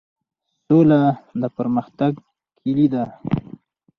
سوله د پرمختګ کیلي ده؟